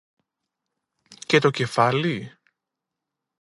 Και το κεφάλι;